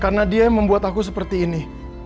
karena dia yang membuat aku seperti ini